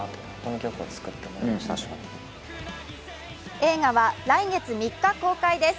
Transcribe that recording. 映画は来月３日公開です。